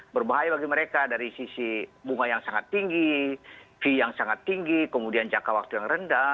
berbahaya bagi mereka dari sisi bunga yang sangat tinggi fee yang sangat tinggi kemudian jangka waktu yang rendah